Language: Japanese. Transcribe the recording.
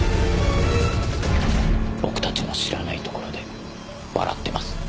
僕たちの知らないところで笑ってます。